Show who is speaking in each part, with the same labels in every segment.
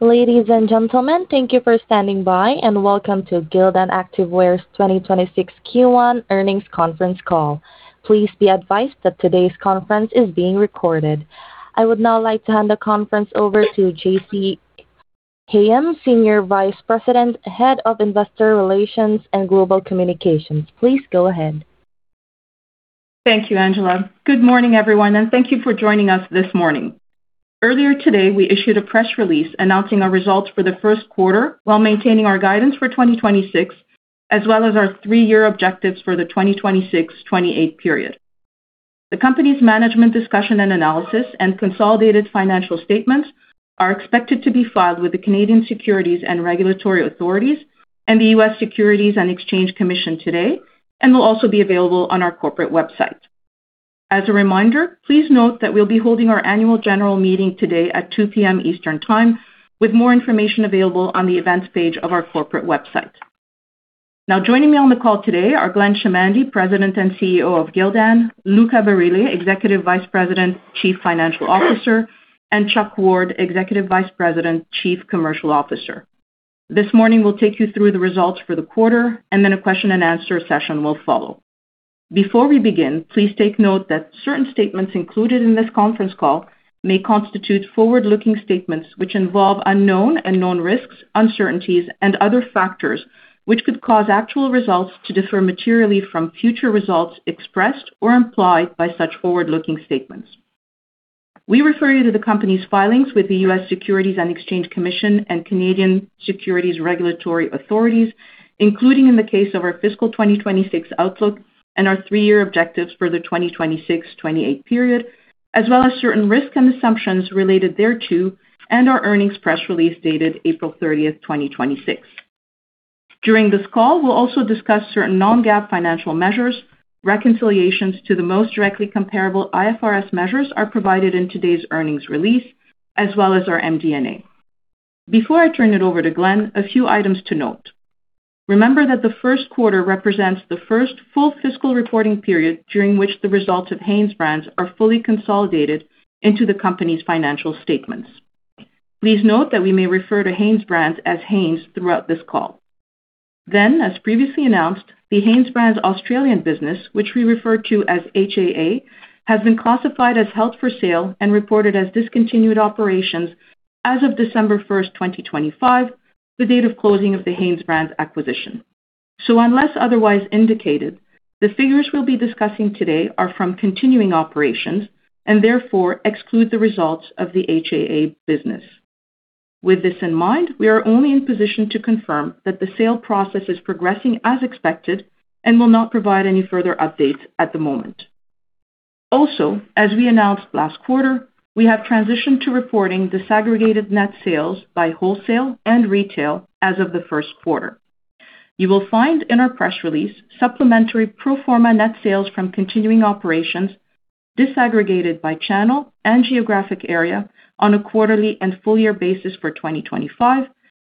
Speaker 1: Ladies and gentlemen, thank you for standing by, and welcome to Gildan Activewear's 2026 Q1 Earnings Conference Call. Please be advised that today's conference is being recorded. I would now like to hand the conference over to Jessy Hayem, Senior Vice President, Head of Investor Relations and Global Communications. Please go ahead.
Speaker 2: Thank you, Angela. Good morning, everyone, and thank you for joining us this morning. Earlier today, we issued a press release announcing our results for the first quarter while maintaining our guidance for 2026, as well as our three-year objectives for the 2026-2028 period. The Company's management discussion and analysis, and consolidated financial statements are expected to be filed with the Canadian Securities Administrators and the U.S. Securities and Exchange Commission today and will also be available on our corporate website. As a reminder, please note that we'll be holding our annual general meeting today at 2:00 P.M. Eastern Time, with more information available on the events page of our corporate website. Now joining me on the call today are Glenn Chamandy, President and CEO of Gildan; Luca Barile, Executive Vice President, Chief Financial Officer; and Chuck Ward, Executive Vice President, Chief Commercial Officer. This morning we'll take you through the results for the quarter, and then a question-and-answer session will follow. Before we begin, please take note that certain statements included in this conference call may constitute forward-looking statements which involve unknown and known risks, uncertainties, and other factors which could cause actual results to differ materially from future results expressed or implied by such forward-looking statements. We refer you to the company's filings with the U.S. Securities and Exchange Commission and Canadian Securities Administrators, including in the case of our fiscal 2026 outlook and our three-year objectives for the 2026-2028 period, as well as certain risks and assumptions related thereto, and our earnings press release dated April 30th, 2026. During this call, we'll also discuss certain non-GAAP financial measures. Reconciliations to the most directly comparable IFRS measures are provided in today's earnings release as well as our MD&A. Before I turn it over to Glenn, a few items to note. Remember that the first quarter represents the first full fiscal reporting period during which the results of HanesBrands are fully consolidated into the company's financial statements. Please note that we may refer to HanesBrands as Hanes throughout this call. As previously announced, the HanesBrands Australian Business, which we refer to as HAA, has been classified as held for sale and reported as discontinued operations as of December 1, 2025, the date of closing of the HanesBrands acquisition. Unless otherwise indicated, the figures we'll be discussing today are from continuing operations and therefore exclude the results of the HAA business. With this in mind, we are only in position to confirm that the sale process is progressing as expected and will not provide any further updates at the moment. As we announced last quarter, we have transitioned to reporting disaggregated net sales by wholesale and retail as of the first quarter. You will find in our press release supplementary pro forma net sales from continuing operations disaggregated by channel and geographic area on a quarterly and full year basis for 2025.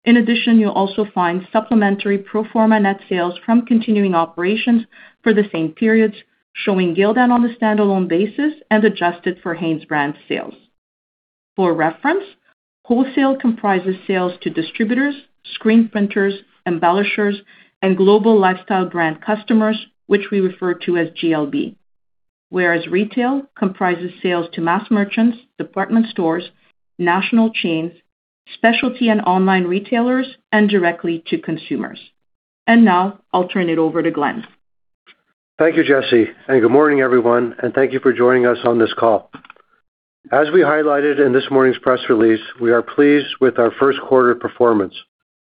Speaker 2: You'll also find supplementary pro forma net sales from continuing operations for the same periods, showing Gildan on a standalone basis and adjusted for HanesBrands sales. For reference, wholesale comprises sales to distributors, screen printers, embellishers, and global lifestyle brand customers, which we refer to as GLB. Whereas retail comprises sales to mass merchants, department stores, national chains, specialty and online retailers, and directly to consumers. Now I'll turn it over to Glenn.
Speaker 3: Thank you, Jessy. Good morning, everyone, and thank you for joining us on this call. As we highlighted in this morning's press release, we are pleased with our first quarter performance,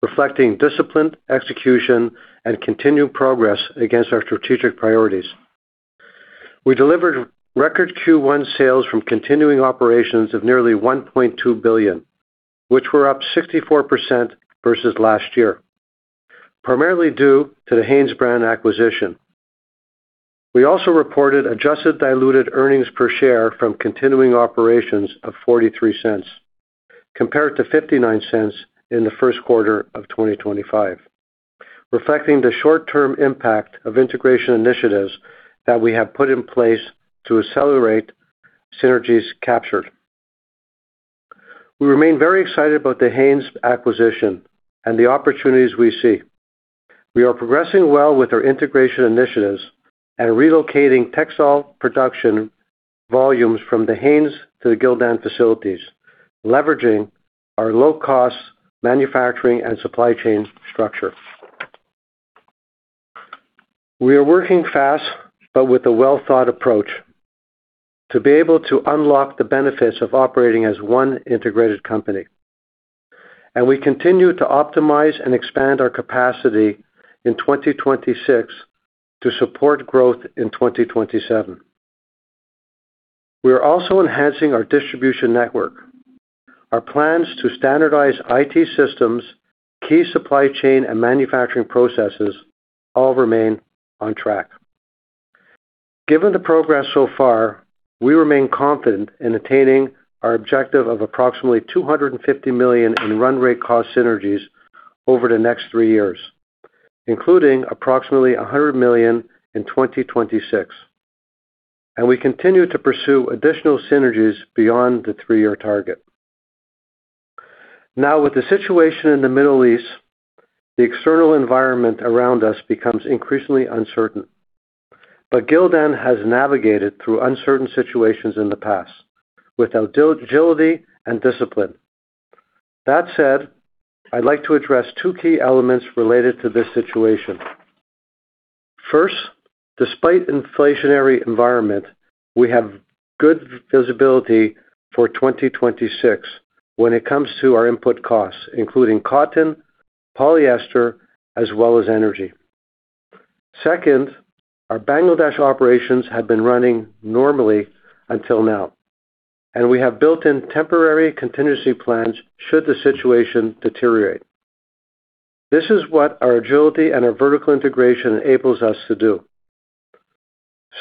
Speaker 3: reflecting disciplined execution and continued progress against our strategic priorities. We delivered record Q1 sales from continuing operations of nearly $1.2 billion, which were up 64% versus last year, primarily due to the HanesBrands acquisition. We also reported adjusted diluted earnings per share from continuing operations of $0.43 compared to $0.59 in the first quarter of 2025, reflecting the short-term impact of integration initiatives that we have put in place to accelerate synergies captured. We remain very excited about the Hanes acquisition and the opportunities we see. We are progressing well with our integration initiatives and relocating textile production volumes from the Hanes to the Gildan facilities, leveraging our low-cost manufacturing and supply chain structure. We are working fast but with a well-thought approach to be able to unlock the benefits of operating as one integrated company. We continue to optimize and expand our capacity in 2026 to support growth in 2027. We are also enhancing our distribution network. Our plans to standardize IT systems, key supply chain, and manufacturing processes all remain on track. Given the progress so far, we remain confident in attaining our objective of approximately $250 million in run rate cost synergies over the next three years, including approximately $100 million in 2026. We continue to pursue additional synergies beyond the three-year target. With the situation in the Middle East, the external environment around us becomes increasingly uncertain. Gildan has navigated through uncertain situations in the past with agility and discipline. That said, I'd like to address two key elements related to this situation. First, despite inflationary environment, we have good visibility for 2026 when it comes to our input costs, including cotton, polyester, as well as energy. Second, our Bangladesh operations have been running normally until now, and we have built-in temporary contingency plans should the situation deteriorate. This is what our agility and our vertical integration enables us to do.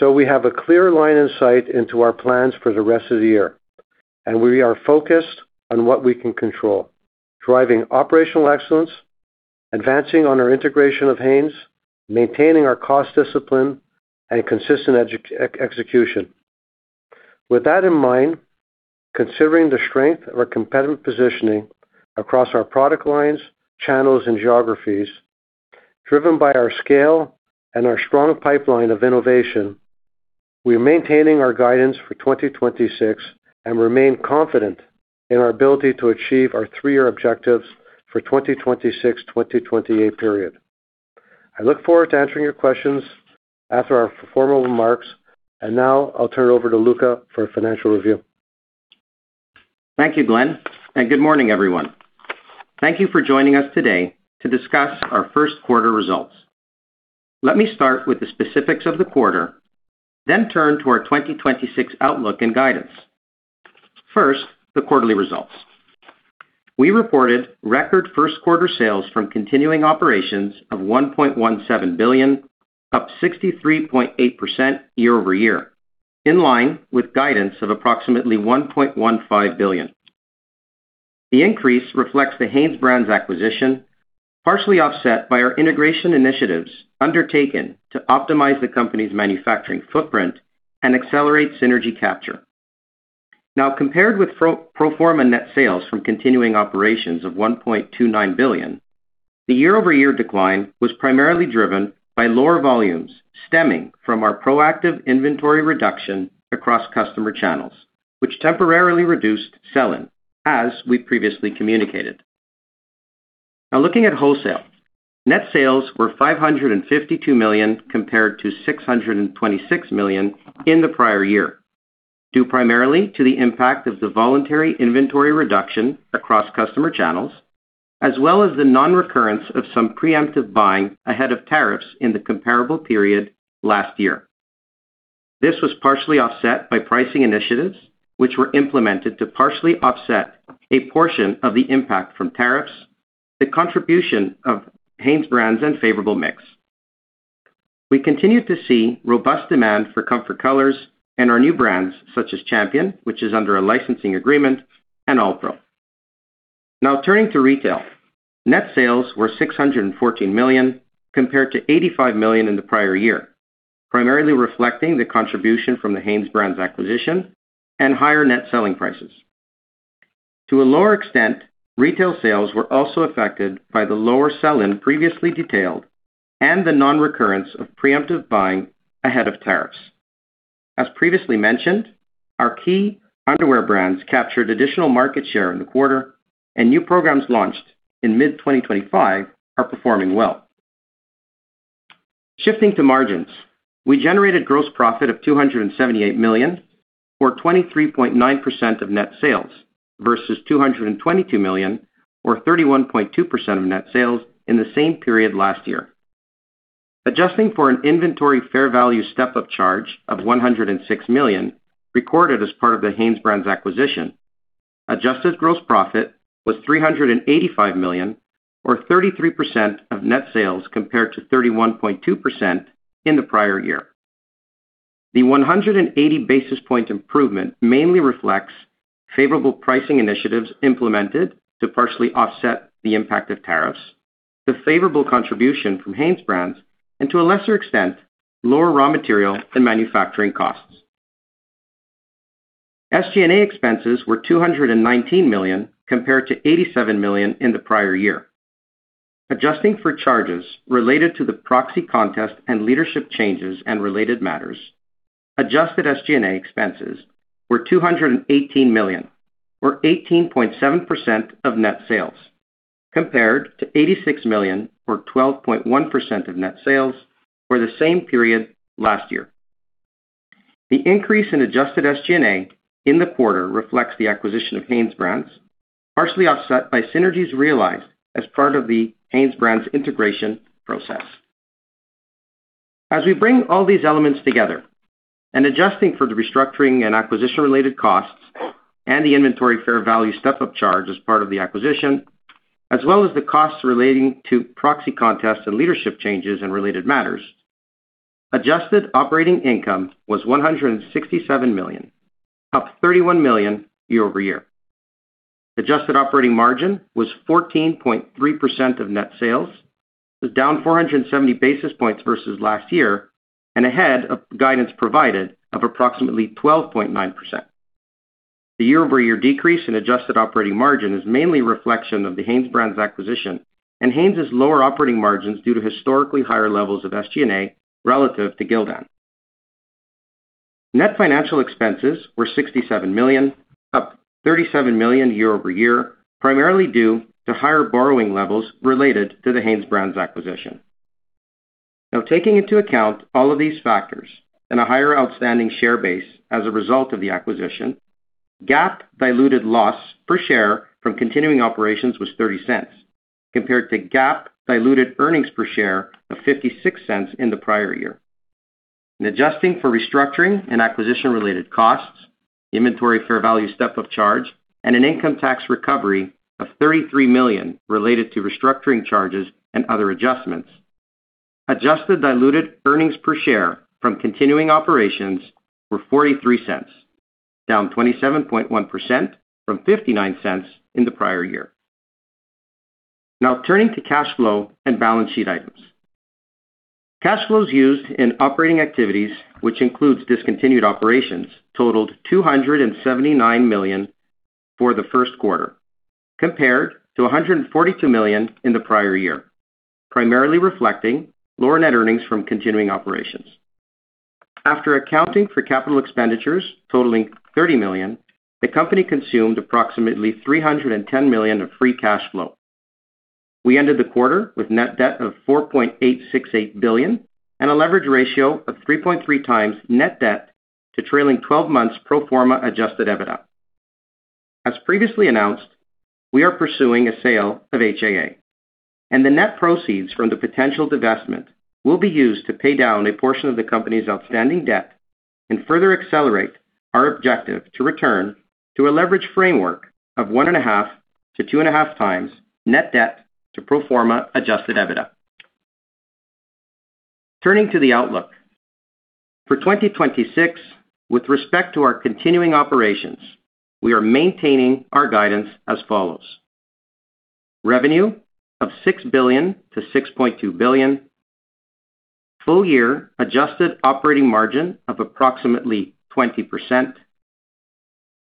Speaker 3: We have a clear line of sight into our plans for the rest of the year, and we are focused on what we can control, driving operational excellence, advancing on our integration of Hanes, maintaining our cost discipline and consistent execution. With that in mind, considering the strength of our competitive positioning across our product lines, channels, and geographies, driven by our scale and our strong pipeline of innovation, we are maintaining our guidance for 2026 and remain confident in our ability to achieve our three-year objectives for 2026, 2028 period. I look forward to answering your questions after our formal remarks. Now I'll turn it over to Luca for a financial review.
Speaker 4: Thank you, Glenn, and good morning, everyone. Thank you for joining us today to discuss our first quarter results. Let me start with the specifics of the quarter, then turn to our 2026 outlook and guidance. First, the quarterly results. We reported record first quarter sales from continuing operations of $1.17 billion, up 63.8% year-over-year, in line with guidance of approximately $1.15 billion. The increase reflects the HanesBrands acquisition, partially offset by our integration initiatives undertaken to optimize the company's manufacturing footprint and accelerate synergy capture. Compared with pro forma net sales from continuing operations of $1.29 billion, the year-over-year decline was primarily driven by lower volumes stemming from our proactive inventory reduction across customer channels, which temporarily reduced sell-in, as we previously communicated. Looking at wholesale. Net sales were $552 million compared to $626 million in the prior year, due primarily to the impact of the voluntary inventory reduction across customer channels, as well as the nonrecurrence of some preemptive buying ahead of tariffs in the comparable period last year. This was partially offset by pricing initiatives, which were implemented to partially offset a portion of the impact from tariffs, the contribution of HanesBrands, and favorable mix. We continued to see robust demand for Comfort Colors and our new brands, such as Champion, which is under a licensing agreement, and AllPro. Turning to retail. Net sales were $614 million compared to $85 million in the prior year, primarily reflecting the contribution from the HanesBrands acquisition and higher net selling prices. To a lower extent, retail sales were also affected by the lower sell-in previously detailed and the nonrecurrence of preemptive buying ahead of tariffs. As previously mentioned, our key underwear brands captured additional market share in the quarter, and new programs launched in mid-2025 are performing well. Shifting to margins. We generated gross profit of $278 million or 23.9% of net sales versus $222 million or 31.2% of net sales in the same period last year. Adjusting for an inventory fair value step-up charge of $106 million recorded as part of the HanesBrands acquisition, adjusted gross profit was $385 million or 33% of net sales compared to 31.2% in the prior year. The 180 basis point improvement mainly reflects favorable pricing initiatives implemented to partially offset the impact of tariffs, the favorable contribution from HanesBrands, and to a lesser extent, lower raw material and manufacturing costs. SG&A expenses were $219 million compared to $87 million in the prior year. Adjusting for charges related to the proxy contest and leadership changes and related matters, adjusted SG&A expenses were $218 million or 18.7% of net sales, compared to $86 million or 12.1% of net sales for the same period last year. The increase in adjusted SG&A in the quarter reflects the acquisition of HanesBrands, partially offset by synergies realized as part of the HanesBrands integration process. As we bring all these elements together and adjusting for the restructuring and acquisition-related costs and the inventory fair value step-up charge as part of the acquisition, as well as the costs relating to proxy contests and leadership changes and related matters, adjusted operating income was $167 million, up $31 million year-over-year. Adjusted operating margin was 14.3% of net sales. It was down 470 basis points versus last year and ahead of guidance provided of approximately 12.9%. The year-over-year decrease in adjusted operating margin is mainly a reflection of the HanesBrands acquisition and Hanes' lower operating margins due to historically higher levels of SG&A relative to Gildan. Net financial expenses were $67 million, up $37 million year-over-year, primarily due to higher borrowing levels related to the HanesBrands acquisition. Taking into account all of these factors and a higher outstanding share base as a result of the acquisition, GAAP diluted loss per share from continuing operations was $0.30 compared to GAAP diluted earnings per share of $0.56 in the prior year. Adjusting for restructuring and acquisition-related costs, inventory fair value step-up charge, and an income tax recovery of $33 million related to restructuring charges and other adjustments, adjusted diluted earnings per share from continuing operations were $0.43, down 27.1% from $0.59 in the prior year. Turning to cash flow and balance sheet items. Cash flows used in operating activities, which includes discontinued operations, totaled $279 million for the first quarter compared to $142 million in the prior year, primarily reflecting lower net earnings from continuing operations. After accounting for capital expenditures totaling $30 million, the company consumed approximately $310 million of free cash flow. We ended the quarter with net debt of $4.868 billion and a leverage ratio of 3.3 times net debt to trailing 12 months pro forma adjusted EBITDA. As previously announced, we are pursuing a sale of HAA, and the net proceeds from the potential divestment will be used to pay down a portion of the company's outstanding debt and further accelerate our objective to return to a leverage framework of 1.5 to 2.5 times net debt to pro forma adjusted EBITDA. Turning to the outlook. For 2026, with respect to our continuing operations, we are maintaining our guidance as follows. Revenue of $6 billion-$6.2 billion. Full year adjusted operating margin of approximately 20%.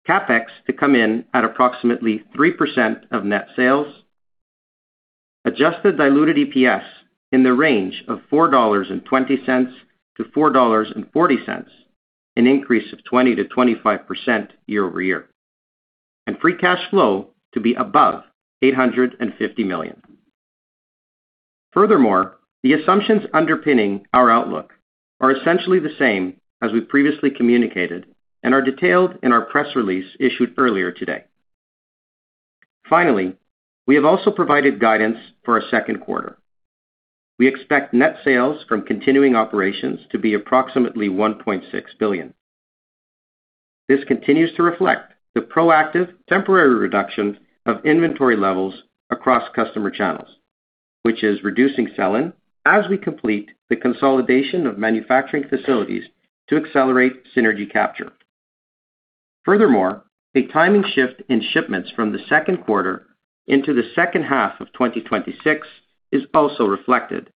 Speaker 4: CapEx to come in at approximately 3% of net sales. Adjusted diluted EPS in the range of $4.20-$4.40, an increase of 20%-25% year-over-year. Free cash flow to be above $850 million. Furthermore, the assumptions underpinning our outlook are essentially the same as we previously communicated and are detailed in our press release issued earlier today. Finally, we have also provided guidance for our second quarter. We expect net sales from continuing operations to be approximately $1.6 billion. This continues to reflect the proactive temporary reduction of inventory levels across customer channels, which is reducing sell-in as we complete the consolidation of manufacturing facilities to accelerate synergy capture. Furthermore, a timing shift in shipments from the second quarter into the second half of 2026 is also reflected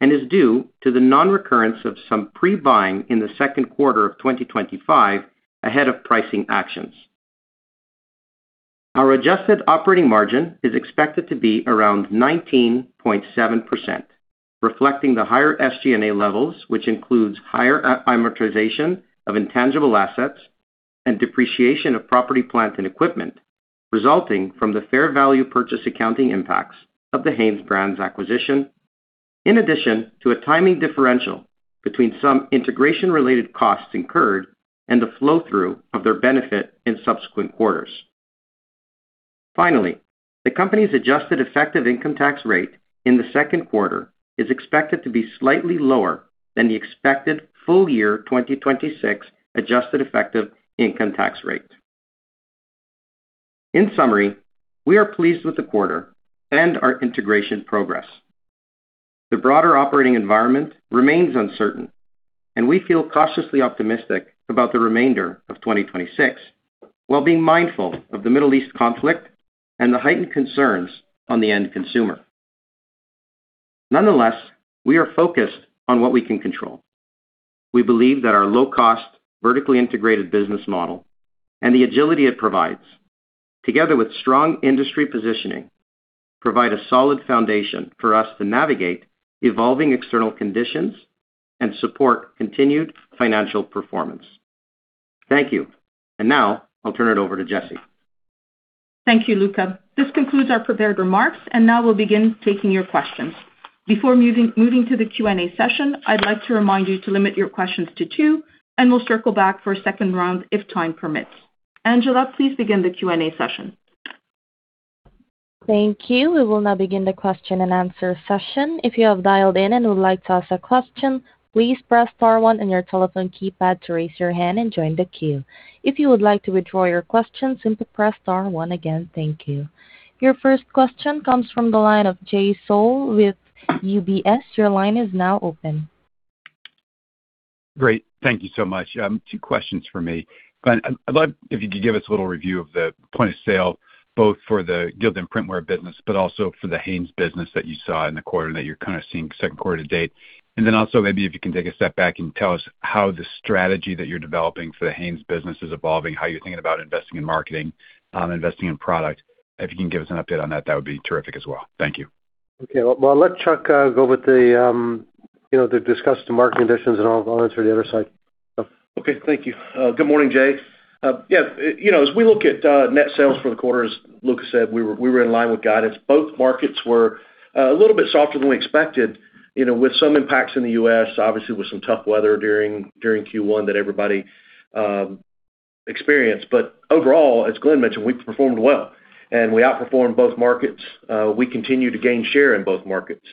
Speaker 4: and is due to the nonrecurrence of some pre-buying in the second quarter of 2025 ahead of pricing actions. Our adjusted operating margin is expected to be around 19.7%, reflecting the higher SG&A levels, which includes higher amortization of intangible assets and depreciation of property, plant, and equipment resulting from the fair value purchase accounting impacts of the HanesBrands acquisition. In addition to a timing differential between some integration-related costs incurred and the flow-through of their benefit in subsequent quarters. Finally, the company's adjusted effective income tax rate in the second quarter is expected to be slightly lower than the expected full year 2026 adjusted effective income tax rate. In summary, we are pleased with the quarter and our integration progress. The broader operating environment remains uncertain, and we feel cautiously optimistic about the remainder of 2026, while being mindful of the Middle East conflict and the heightened concerns on the end consumer. Nonetheless, we are focused on what we can control. We believe that our low-cost, vertically integrated business model and the agility it provides, together with strong industry positioning, provide a solid foundation for us to navigate evolving external conditions and support continued financial performance. Thank you. Now I'll turn it over to Jessy.
Speaker 2: Thank you, Luca. This concludes our prepared remarks. Now we'll begin taking your questions. Before moving to the Q&A session, I'd like to remind you to limit your questions to two. We'll circle back for a second round if time permits. Angela, please begin the Q&A session.
Speaker 1: Thank you. We will now begin the question and answer session. If you have dialed in and would like to ask a question, please press star one on your telephone keypad to raise your hand and join the queue. If you would like to withdraw your question, simply press star one again. Thank you. Your first question comes from the line of Jay Sole with UBS. Your line is now open.
Speaker 5: Great. Thank you so much. Two questions for me. Glenn, I'd love if you could give us a little review of the point of sale, both for the Gildan printwear business, but also for the Hanes business that you saw in the quarter, that you're kind of seeing second quarter to date. Then also, maybe if you can take a step back and tell us how the strategy that you're developing for the Hanes business is evolving, how you're thinking about investing in marketing, investing in product. If you can give us an update on that would be terrific as well. Thank you.
Speaker 3: Okay. Well, I'll let Chuck go with the, you know, discuss the market conditions and I'll answer the other side.
Speaker 6: Okay. Thank you. Good morning, Jay. You know, as we look at net sales for the quarter, as Luca said, we were in line with guidance. Both markets were a little bit softer than we expected, you know, with some impacts in the U.S., obviously, with some tough weather during Q1 that everybody experienced. Overall, as Glenn mentioned, we performed well, and we outperformed both markets. We continue to gain share in both markets.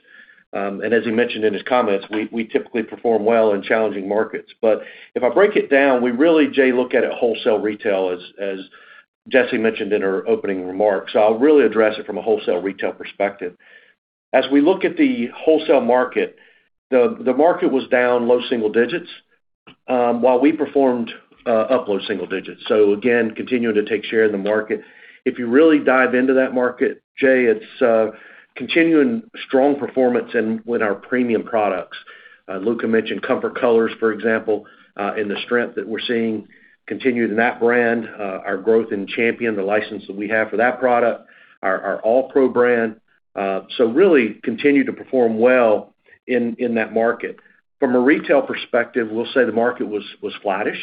Speaker 6: As he mentioned in his comments, we typically perform well in challenging markets. If I break it down, we really, Jay, look at it wholesale-retail, as Jessy mentioned in her opening remarks. I'll really address it from a wholesale/retail perspective. As we look at the wholesale market, the market was down low single digits, while we performed up low single digits. Again, continuing to take share in the market. If you really dive into that market, Jay, it's continuing strong performance with our premium products. Luca mentioned Comfort Colors, for example, and the strength that we're seeing continuing in that brand. Our growth in Champion, the license that we have for that product, our AllPro brand. Really continue to perform well in that market. From a retail perspective, we'll say the market was flattish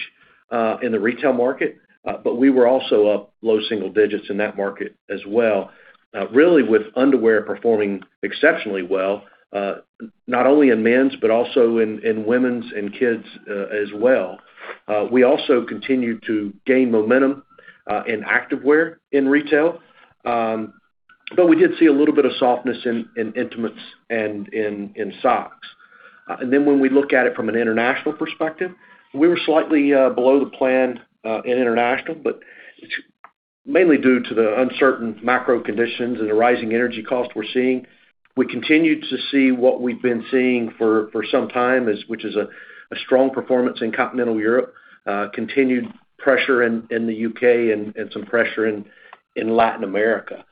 Speaker 6: in the retail market, but we were also up low single digits in that market as well. Really with underwear performing exceptionally well, not only in men's, but also in women's and kids' as well. We also continued to gain momentum in activewear in retail. We did see a little bit of softness in intimates and in socks. When we look at it from an international perspective, we were slightly below the plan in international, but it's mainly due to the uncertain macro conditions and the rising energy costs we're seeing. We continued to see what we've been seeing for some time, which is a strong performance in continental Europe, continued pressure in the U.K. and some pressure in Latin America.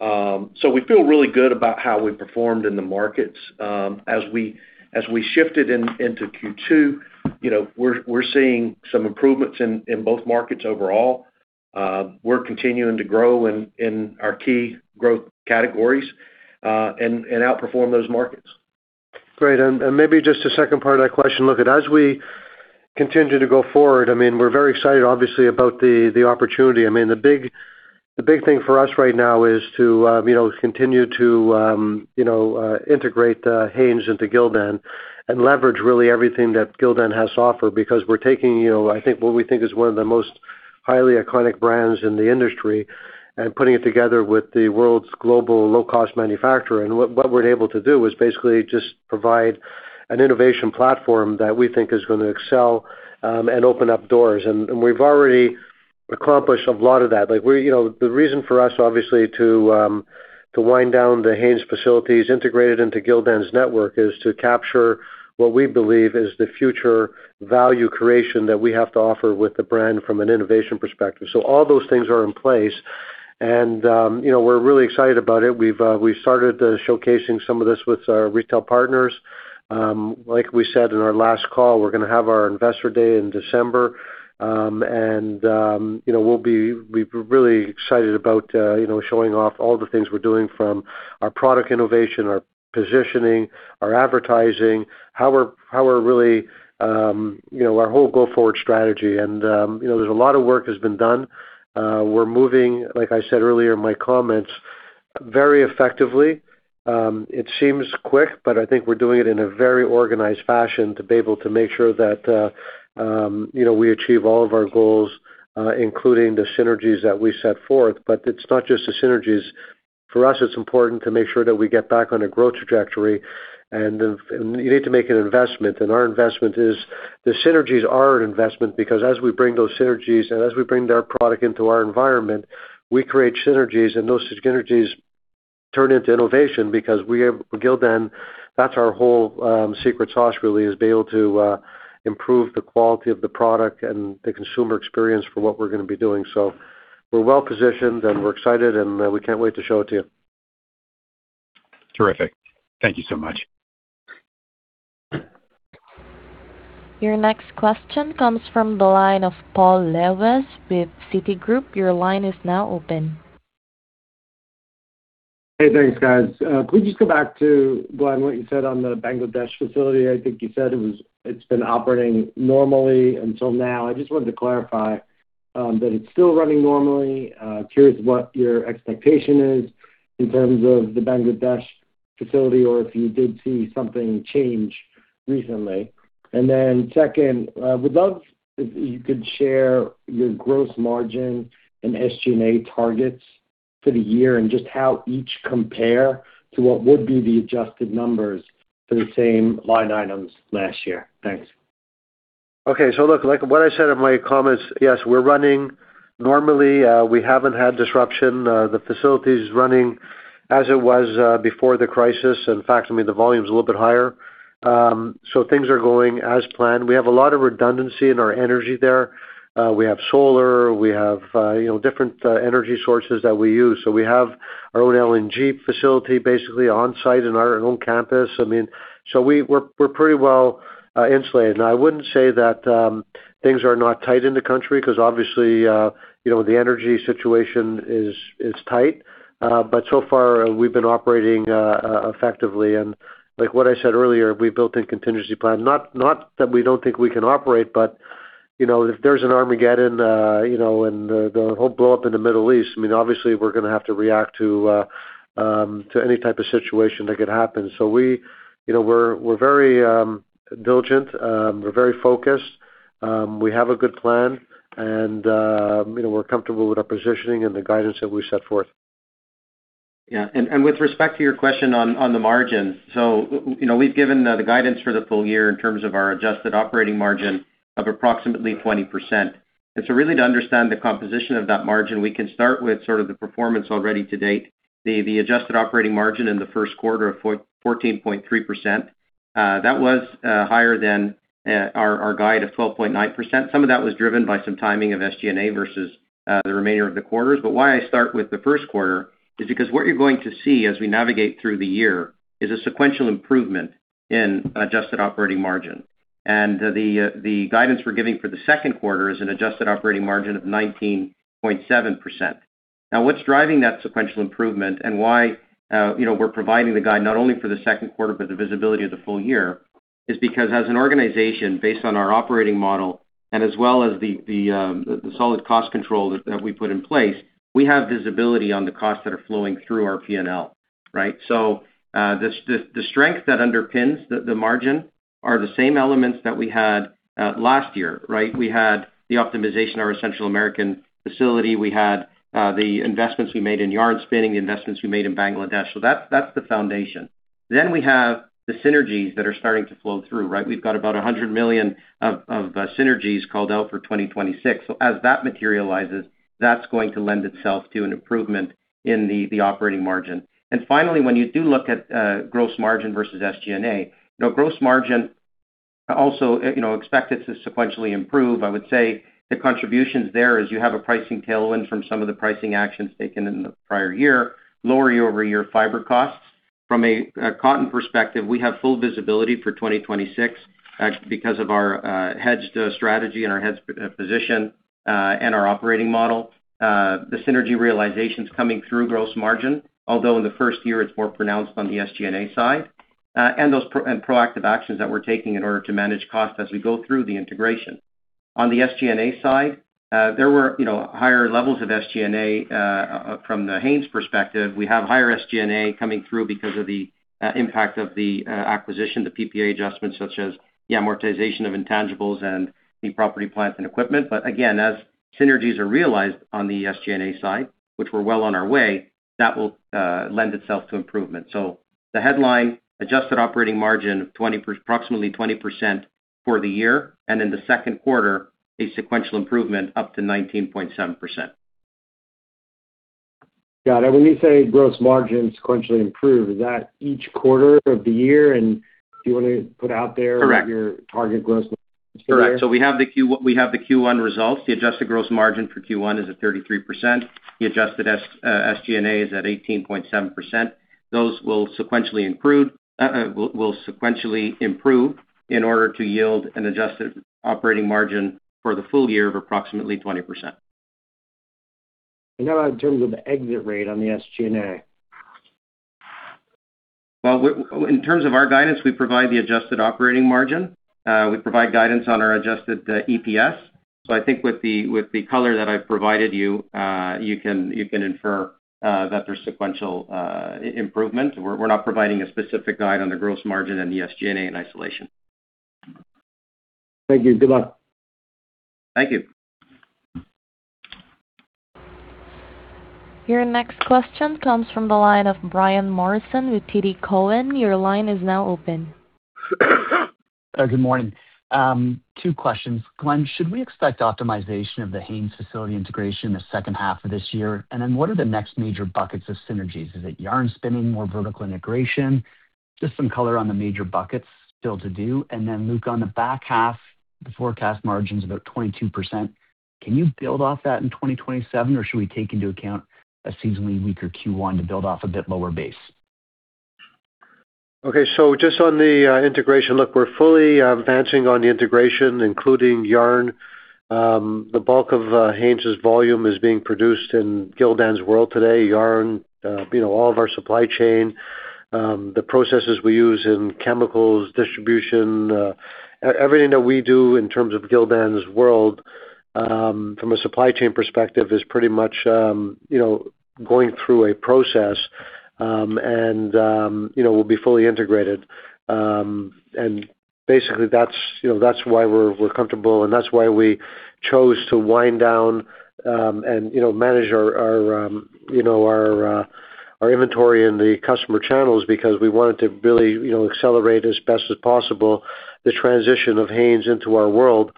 Speaker 6: We feel really good about how we performed in the markets. As we shifted into Q2, you know, we're seeing some improvements in both markets overall. We're continuing to grow in our key growth categories and outperform those markets.
Speaker 3: Great. Maybe just the second part of that question, Luca. As we continue to go forward, I mean, we're very excited obviously about the opportunity. I mean, the big thing for us right now is to, you know, continue to, you know, integrate Hanes into Gildan and leverage really everything that Gildan has to offer because we're taking, you know, I think what we think is one of the most highly iconic brands in the industry and putting it together with the world's global low-cost manufacturer. What we're able to do is basically just provide an innovation platform that we think is gonna excel and open up doors. We've already accomplished a lot of that. Like we're, you know, the reason for us obviously to wind down the Hanes facilities integrated into Gildan's network is to capture what we believe is the future value creation that we have to offer with the brand from an innovation perspective. All those things are in place. You know, we're really excited about it. We've, we started showcasing some of this with our retail partners. Like we said in our last call, we're gonna have our Investor Day in December. You know, we've really excited about, you know, showing off all the things we're doing from our product innovation, our positioning, our advertising, how we're really, you know, our whole go-forward strategy. You know, there's a lot of work that's been done. We're moving, like I said earlier in my comments, very effectively. It seems quick, but I think we're doing it in a very organized fashion to be able to make sure that, you know, we achieve all of our goals, including the synergies that we set forth. It's not just the synergies. For us, it's important to make sure that we get back on a growth trajectory and you need to make an investment. And our investment is. The synergies are an investment because as we bring those synergies and as we bring their product into our environment, we create synergies, and those synergies turn into innovation because we have Gildan, that's our whole secret sauce really, is be able to improve the quality of the product and the consumer experience for what we're gonna be doing. We're well-positioned, and we're excited, and we can't wait to show it to you.
Speaker 5: Terrific. Thank you so much.
Speaker 1: Your next question comes from the line of Paul Lejuez with Citigroup. Your line is now open.
Speaker 7: Hey, thanks, guys. Could we just go back to, Glenn, what you said on the Bangladesh facility? I think you said it's been operating normally until now. I just wanted to clarify that it's still running normally. Curious what your expectation is in terms of the Bangladesh facility or if you did see something change recently. Then second, would love if you could share your gross margin and SG&A targets for the year and just how each compare to what would be the adjusted numbers for the same line items last year. Thanks.
Speaker 3: Look, what I said in my comments, yes, we're running normally. We haven't had disruption. The facility is running as it was before the crisis. In fact, I mean, the volume is a little bit higher. Things are going as planned. We have a lot of redundancy in our energy there. We have solar, we have, you know, different energy sources that we use. We have our own LNG facility basically on-site in our own campus. I mean, we're pretty well insulated. Now, I wouldn't say that things are not tight in the country because obviously, you know, the energy situation is tight. So far, we've been operating effectively. Like what I said earlier, we built a contingency plan, not that we don't think we can operate, but, you know, if there's an Armageddon, you know, and the whole blow up in the Middle East, I mean, obviously, we're gonna have to react to any type of situation that could happen. We, you know, we're very diligent, we're very focused. We have a good plan, and, you know, we're comfortable with our positioning and the guidance that we set forth.
Speaker 4: With respect to your question on the margin. You know, we've given the guidance for the full year in terms of our adjusted operating margin of approximately 20%. Really to understand the composition of that margin, we can start with sort of the performance already to date. The adjusted operating margin in the first quarter of 14.3% that was higher than our guide of 12.9%. Some of that was driven by some timing of SG&A versus the remainder of the quarters. Why I start with the first quarter is because what you're going to see as we navigate through the year is a sequential improvement in adjusted operating margin. The guidance we're giving for the second quarter is an adjusted operating margin of 19.7%. What's driving that sequential improvement and why, you know, we're providing the guide not only for the second quarter, but the visibility of the full year, is because as an organization, based on our operating model and as well as the solid cost control that we put in place, we have visibility on the costs that are flowing through our P&L, right? The strength that underpins the margin are the same elements that we had last year, right? We had the optimization of our Central American facility. We had the investments we made in yarn spinning, the investments we made in Bangladesh. That's the foundation. We have the synergies that are starting to flow through, right? We've got about $100 million of synergies called out for 2026. As that materializes, that's going to lend itself to an improvement in the operating margin. Finally, when you do look at gross margin versus SG&A, you know, gross margin also, you know, expected to sequentially improve. I would say the contributions there is you have a pricing tailwind from some of the pricing actions taken in the prior year, lower year-over-year fiber costs. From a cotton perspective, we have full visibility for 2026, because of our hedged strategy and our hedged position and our operating model. The synergy realizations coming through gross margin, although in the first year, it's more pronounced on the SG&A side, and those proactive actions that we're taking in order to manage costs as we go through the integration. On the SG&A side, there were, you know, higher levels of SG&A from the Hanes perspective. We have higher SG&A coming through because of the impact of the acquisition, the PPA adjustments, such as the amortization of intangibles and the property, plant, and equipment. Again, as synergies are realized on the SG&A side, which we're well on our way, that will lend itself to improvement. The headline, adjusted operating margin of approximately 20% for the year, and in the second quarter, a sequential improvement up to 19.7%.
Speaker 7: Got it. When you say gross margin sequentially improve, is that each quarter of the year? Do you want to put out there...
Speaker 4: Correct.
Speaker 7: ...your target gross margin for the year?
Speaker 4: Correct. We have the Q1 results. The adjusted gross margin for Q1 is at 33%. The adjusted SG&A is at 18.7%. Those will sequentially improve in order to yield an adjusted operating margin for the full year of approximately 20%.
Speaker 7: Now in terms of the exit rate on the SG&A.
Speaker 4: Well, in terms of our guidance, we provide the adjusted operating margin. We provide guidance on our adjusted EPS. I think with the color that I've provided you can infer that there's sequential improvement. We're not providing a specific guide on the gross margin and the SG&A in isolation.
Speaker 7: Thank you. Good luck.
Speaker 4: Thank you.
Speaker 1: Your next question comes from the line of Brian Morrison with TD Cowen. Your line is now open.
Speaker 8: Good morning. Two questions. Glenn, should we expect optimization of the Hanes facility integration in the second half of this year? What are the next major buckets of synergies? Is it yarn spinning, more vertical integration? Just some color on the major buckets still to do. Luca, on the back half, the forecast margin's about 22%. Can you build off that in 2027, or should we take into account a seasonally weaker Q1 to build off a bit lower base?
Speaker 3: Just on the integration. Look, we're fully advancing on the integration, including yarn. The bulk of Hanes' volume is being produced in Gildan's world today. Yarn, you know, all of our supply chain, the processes we use in chemicals, distribution, everything that we do in terms of Gildan's world, from a supply chain perspective is pretty much, you know, going through a process, and, you know, will be fully integrated. Basically that's, you know, that's why we're comfortable, and that's why we chose to wind down, and, you know, manage our, you know, Our inventory in the customer channels because we wanted to really, you know, accelerate as best as possible the transition of Hanes into our world,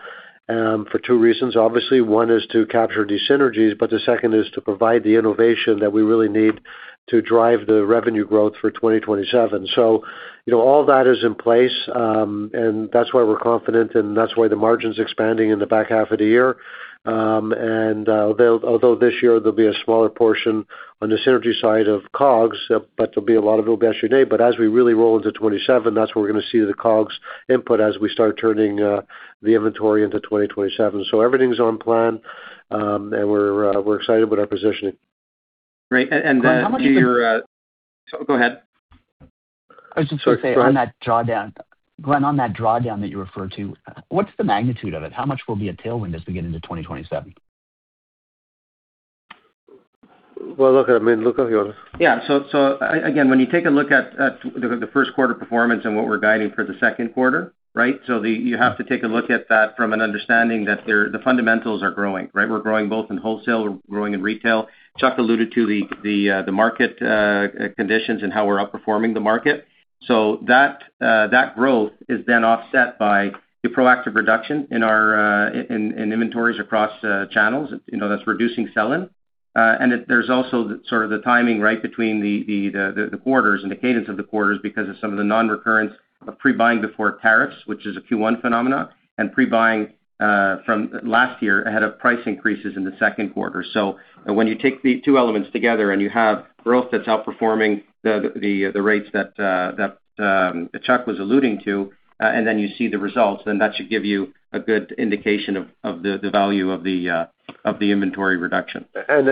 Speaker 3: for two reasons. Obviously, one is to capture these synergies, but the second is to provide the innovation that we really need to drive the revenue growth for 2027. You know, all that is in place, and that's why we're confident, and that's why the margin's expanding in the back half of the year. Although this year there'll be a smaller portion on the synergy side of COGS, but there'll be a lot of it this year. As we really roll into 2027, that's where we're gonna see the COGS input as we start turning the inventory into 2027. Everything's on plan, and we're excited about our positioning.
Speaker 4: Great. To your.
Speaker 8: Glenn, how much?
Speaker 4: Go ahead.
Speaker 8: I was just gonna say-
Speaker 3: Sorry. Go ahead.
Speaker 8: -on that drawdown. Glenn, on that drawdown that you referred to, what's the magnitude of it? How much will be a tailwind as we get into 2027?
Speaker 3: Well, look, I mean, look, if you wanna.
Speaker 4: Yeah. Again, when you take a look at the first quarter performance and what we're guiding for the second quarter, right? You have to take a look at that from an understanding that the fundamentals are growing, right? We're growing both in wholesale, we're growing in retail. Chuck alluded to the market conditions and how we're outperforming the market. That growth is then offset by the proactive reduction in our inventories across channels, you know, that's reducing sell-in. There's also the sort of the timing, right, between the quarters and the cadence of the quarters because of some of the non-recurrent pre-buying before tariffs, which is a Q1 phenomena, and pre-buying from last year ahead of price increases in the second quarter. When you take the two elements together and you have growth that's outperforming the rates that Chuck was alluding to, and then you see the results, then that should give you a good indication of the value of the inventory reduction.
Speaker 3: As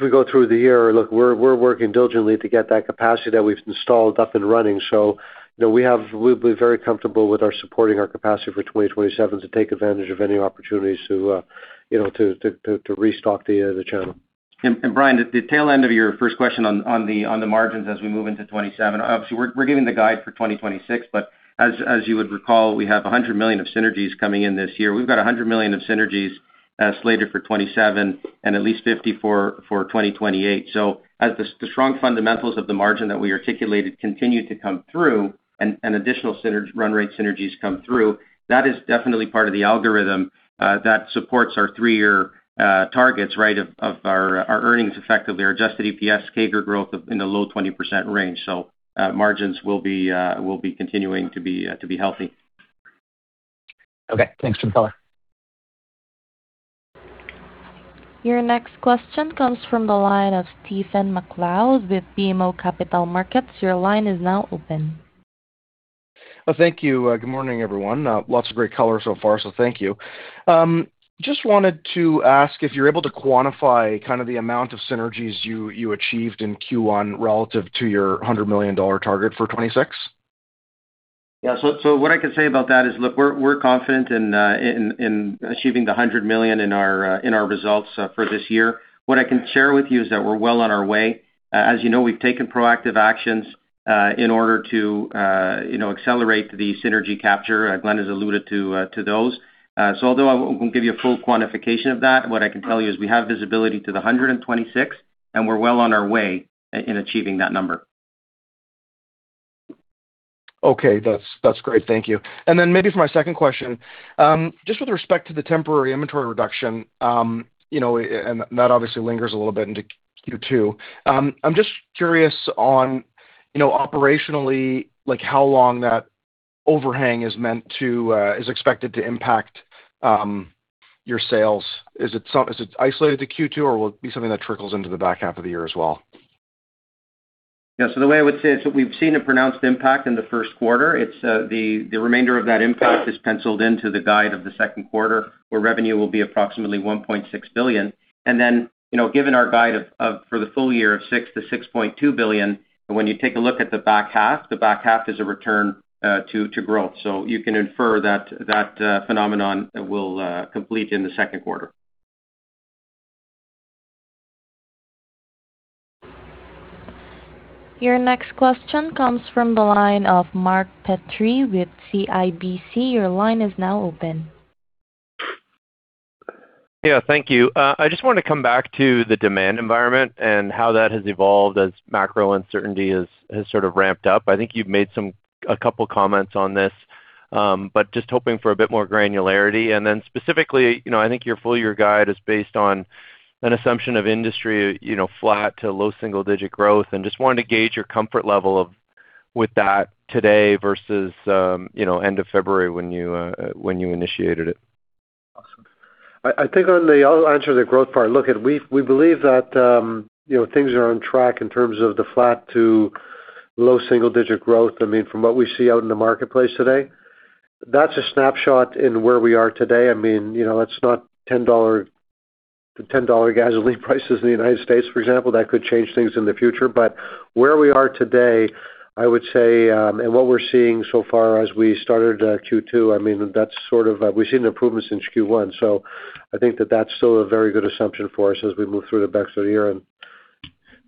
Speaker 3: we go through the year, look, we're working diligently to get that capacity that we've installed up and running. You know, we'll be very comfortable with our supporting our capacity for 2027 to take advantage of any opportunities to, you know, to restock the channel.
Speaker 4: Brian, the tail end of your first question on the margins as we move into 2027. Obviously, we're giving the guide for 2026, but as you would recall, we have $100 million of synergies coming in this year. We've got $100 million of synergies slated for 2027 and at least $50 for 2028. As the strong fundamentals of the margin that we articulated continue to come through and additional run rate synergies come through, that is definitely part of the algorithm that supports our 3-year targets of our earnings effectively, our adjusted EPS CAGR growth of in the low 20% range. Margins will be continuing to be healthy.
Speaker 8: Okay. Thanks for the color.
Speaker 1: Your next question comes from the line of Stephen MacLeod with BMO Capital Markets. Your line is now open.
Speaker 9: Well, thank you. Good morning, everyone. Lots of great color so far, thank you. Just wanted to ask if you're able to quantify kind of the amount of synergies you achieved in Q1 relative to your $100 million target for 2026.
Speaker 4: What I can say about that is, look, we're confident in achieving the $100 million in our results for this year. What I can share with you is that we're well on our way. As you know, we've taken proactive actions in order to, you know, accelerate the synergy capture. Glenn has alluded to those. Although I won't give you a full quantification of that, what I can tell you is we have visibility to the $126 million, and we're well on our way in achieving that number.
Speaker 9: Okay. That's great. Thank you. Then maybe for my second question, just with respect to the temporary inventory reduction, you know, and that obviously lingers a little bit into Q2. I'm just curious on, you know, operationally like how long that overhang is meant to, is expected to impact your sales. Is it isolated to Q2, or will it be something that trickles into the back half of the year as well?
Speaker 4: Yeah. The way I would say it, we've seen a pronounced impact in the first quarter. It's, the remainder of that impact is penciled into the guide of the second quarter, where revenue will be approximately $1.6 billion. You know, given our guide for the full year of $6 billion-$6.2 billion, when you take a look at the back half, the back half is a return to growth. You can infer that phenomenon will complete in the second quarter.
Speaker 1: Your next question comes from the line of Mark Petrie with CIBC. Your line is now open.
Speaker 10: Yeah. Thank you. I just wanted to come back to the demand environment and how that has evolved as macro uncertainty has sort of ramped up. I think you've made a couple comments on this, but just hoping for a bit more granularity. Specifically, you know, I think your full year guide is based on an assumption of industry, you know, flat to low single-digit growth, and just wanted to gauge your comfort level with that today versus, you know, end of February when you initiated it?
Speaker 3: Awesome. I think I'll answer the growth part. Look, we believe that, you know, things are on track in terms of the flat to low single-digit growth. I mean, from what we see out in the marketplace today, that's a snapshot in where we are today. I mean, you know, it's not $10 to $10 gasoline prices in the U.S., for example, that could change things in the future. Where we are today, I would say, and what we're seeing so far as we started Q2, I mean, that's sort of, we've seen improvement since Q1. I think that that's still a very good assumption for us as we move through the rest of the year.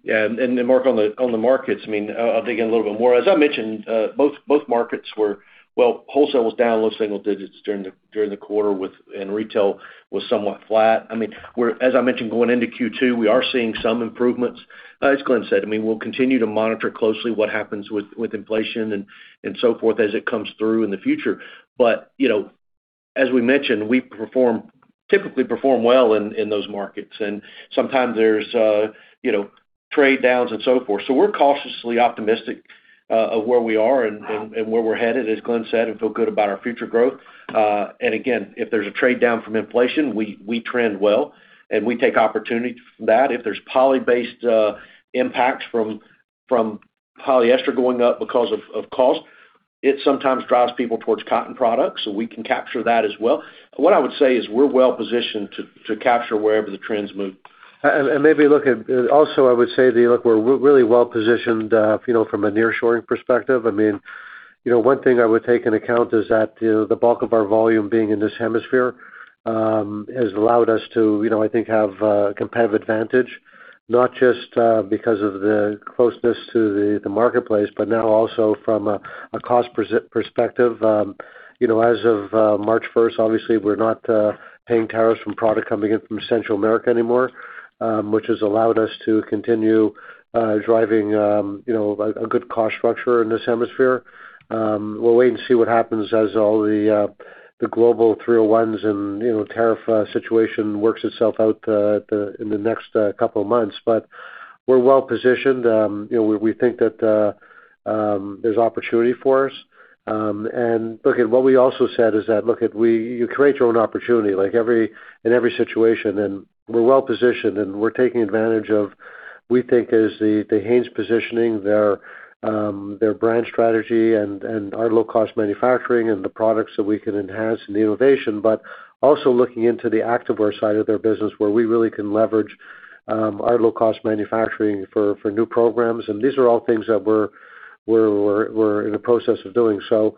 Speaker 6: Yeah. Then Mark, on the markets, I mean, I'll dig in a little bit more. As I mentioned, wholesale was down low single digits during the quarter. Retail was somewhat flat. I mean, as I mentioned, going into Q2, we are seeing some improvements. As Glenn said, I mean, we'll continue to monitor closely what happens with inflation and so forth as it comes through in the future. You know, as we mentioned, we typically perform well in those markets. Sometimes there's, you know, trade downs and so forth. We're cautiously optimistic of where we are and where we're headed, as Glenn said, and feel good about our future growth. Again, if there's a trade-down from inflation, we trend well, and we take opportunities from that. If there's poly-based impacts from polyester going up because of cost, it sometimes drives people towards cotton products, we can capture that as well. What I would say is we're well positioned to capture wherever the trends move.
Speaker 3: Also, I would say that, look, we're really well positioned, you know, from a nearshoring perspective. I mean, you know, one thing I would take into account is that, you know, the bulk of our volume being in this hemisphere has allowed us to, you know, I think, have a competitive advantage, not just because of the closeness to the marketplace, but now also from a cost perspective. You know, as of March 1st, obviously, we're not paying tariffs from product coming in from Central America anymore, which has allowed us to continue driving, you know, a good cost structure in this hemisphere. We'll wait and see what happens as all the global 301s and, you know, tariff situation works itself out in the next couple of months. We're well positioned. You know, we think that there's opportunity for us. Look at what we also said is that, look, if you create your own opportunity, like every, in every situation, and we're well positioned, and we're taking advantage of, we think as the Hanes positioning their brand strategy and our low-cost manufacturing and the products that we can enhance and the innovation. Also looking into the activewear side of their business where we really can leverage our low-cost manufacturing for new programs. These are all things that we're in the process of doing. You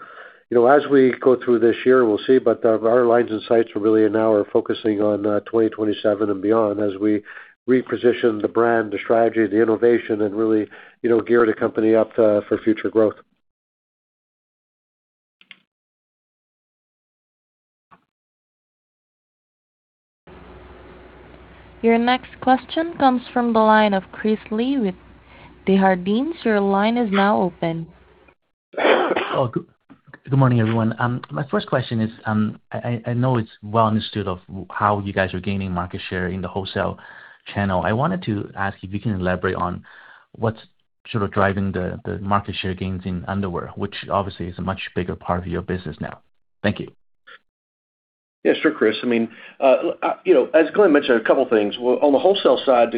Speaker 3: know, as we go through this year, we'll see. Our lines and sights really now are focusing on 2027 and beyond as we reposition the brand, the strategy, the innovation, and really, you know, gear the company up for future growth.
Speaker 1: Your next question comes from the line of Chris Li with Desjardins. Your line is now open.
Speaker 11: Good morning, everyone. My first question is, I know it's well understood of how you guys are gaining market share in the wholesale channel. I wanted to ask if you can elaborate on what's sort of driving the market share gains in underwear, which obviously is a much bigger part of your business now. Thank you.
Speaker 6: Yes, sure, Chris. I mean, you know, as Glenn mentioned, a couple of things. On the wholesale side,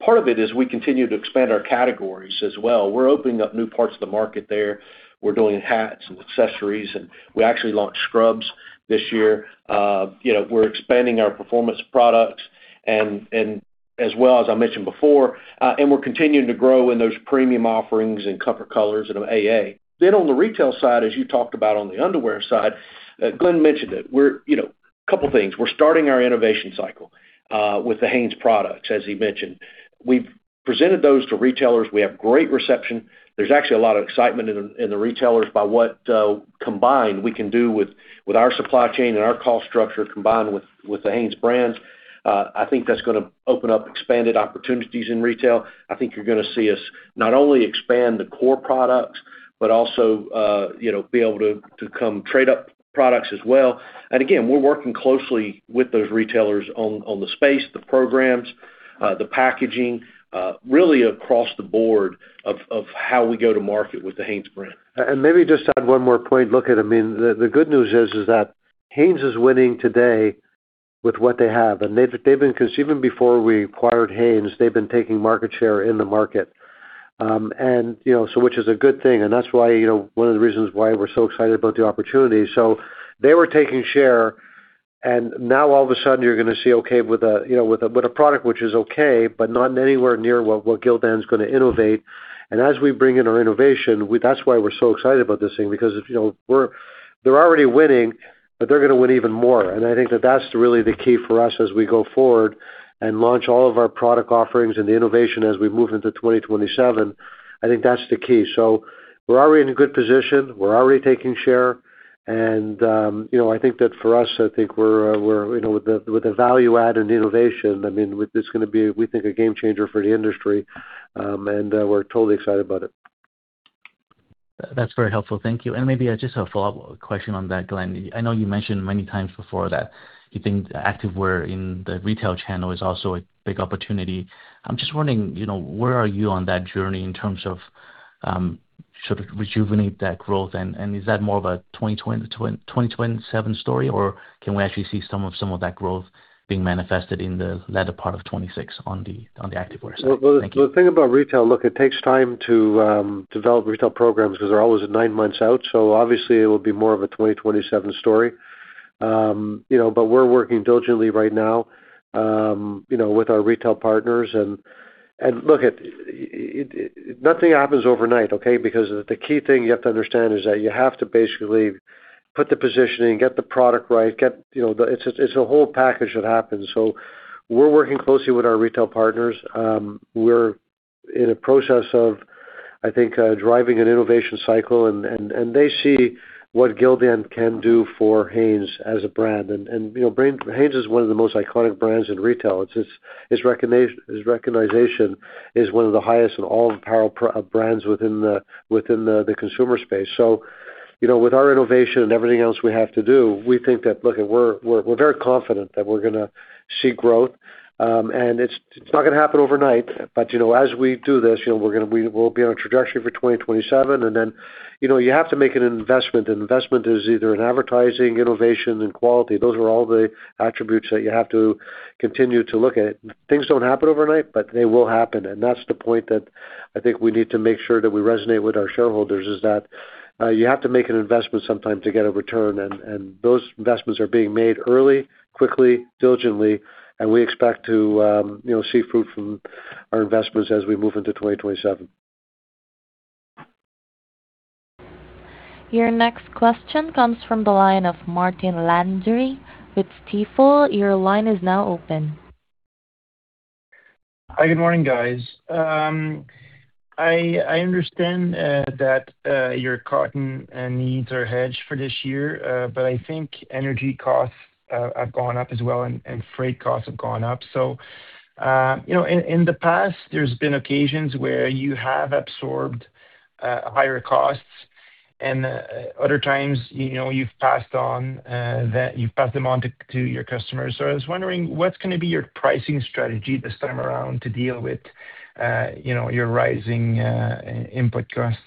Speaker 6: part of it is we continue to expand our categories as well. We're opening up new parts of the market there. We're doing hats and accessories, and we actually launched scrubs this year. You know, we're expanding our performance products and as well, as I mentioned before, we're continuing to grow in those premium offerings and Comfort Colors and AA. On the retail side, as you talked about on the underwear side, Glenn mentioned it. We're, you know, a couple of things. We're starting our innovation cycle with the Hanes products, as he mentioned. We've presented those to retailers. We have great reception. There's actually a lot of excitement in the retailers by what combined we can do with our supply chain and our cost structure combined with the HanesBrands. I think that's gonna open up expanded opportunities in retail. I think you're gonna see us not only expand the core products, but also, you know, be able to trade up products as well. Again, we're working closely with those retailers on the space, the programs, the packaging, really across the board of how we go to market with the HanesBrand.
Speaker 3: Maybe just to add one more point. Look, I mean, the good news is that Hanes is winning today with what they have. They've been because even before we acquired Hanes, they've been taking market share in the market. You know, which is a good thing. That's why, you know, one of the reasons why we're so excited about the opportunity. They were taking share, now all of a sudden, you're gonna see, okay, with a, you know, with a product which is okay, but not anywhere near what Gildan is gonna innovate. As we bring in our innovation, that's why we're so excited about this thing because if, you know, they're already winning, but they're gonna win even more. I think that that's really the key for us as we go forward and launch all of our product offerings and the innovation as we move into 2027. I think that's the key. We're already in a good position. We're already taking share. You know, I think that for us, I think we're, you know, with the, with the value add and innovation, I mean, with this gonna be, we think, a game changer for the industry, and, we're totally excited about it.
Speaker 11: That's very helpful. Thank you. Maybe just a follow-up question on that, Glenn. I know you mentioned many times before that you think activewear in the retail channel is also a big opportunity. I'm just wondering, you know, where are you on that journey in terms of sort of rejuvenate that growth? Is that more of a 2027 story, or can we actually see some of that growth being manifested in the latter part of 2026 on the activewear side? Thank you.
Speaker 3: Well, the thing about retail, look, it takes time to develop retail programs because they're always nine months out. Obviously, it will be more of a 2027 story. You know, we're working diligently right now, you know, with our retail partners. Look, nothing happens overnight, okay? The key thing you have to understand is that you have to basically put the positioning, get the product right, get, you know. It's a whole package that happens. We're working closely with our retail partners. We're in a process of, I think, driving an innovation cycle and they see what Gildan can do for Hanes as a brand. You know, Hanes is one of the most iconic brands in retail. Its recognition is one of the highest in all apparel brands within the consumer space. You know, with our innovation and everything else we have to do, we think that, look, we're very confident that we're gonna see growth. It's not gonna happen overnight, you know, as we do this, you know, we'll be on a trajectory for 2027. You know, you have to make an investment. Investment is either in advertising, innovation, and quality. Those are all the attributes that you have to continue to look at. Things don't happen overnight, they will happen. That's the point that I think we need to make sure that we resonate with our shareholders, is that you have to make an investment sometime to get a return. Those investments are being made early, quickly, diligently, and we expect to, you know, see fruit from our investments as we move into 2027.
Speaker 1: Your next question comes from the line of Martin Landry with Stifel. Your line is now open.
Speaker 12: Hi, good morning, guys. I understand that your cotton needs are hedged for this year, but I think energy costs have gone up as well and freight costs have gone up. You know, in the past, there's been occasions where you have absorbed higher costs, and other times, you know, you've passed on that you've passed them on to your customers. I was wondering, what's gonna be your pricing strategy this time around to deal with, you know, your rising input costs?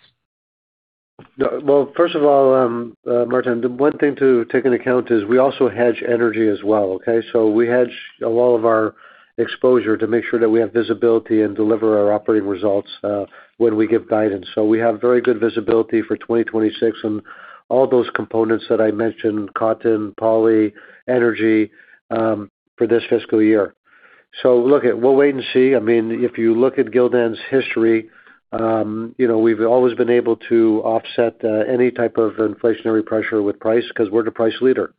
Speaker 3: Well, first of all, Martin, the one thing to take into account is we also hedge energy as well, okay? We hedge a lot of our exposure to make sure that we have visibility and deliver our operating results when we give guidance. We have very good visibility for 2026 and all those components that I mentioned, cotton, poly, energy, for this fiscal year. Look, we'll wait and see. I mean, if you look at Gildan's history, you know, we've always been able to offset any type of inflationary pressure with price because we're the price leader.